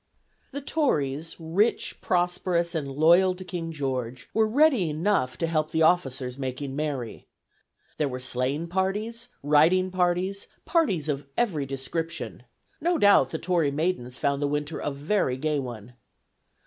The Tories, rich, prosperous, and loyal to King George, were ready enough to help the officers in making merry. There were sleighing parties, riding parties, parties of every description: no doubt the Tory maidens found the winter a very gay one.